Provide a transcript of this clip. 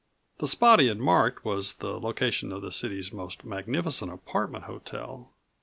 The spot he had marked was the location of the city's most magnificent apartment hotel.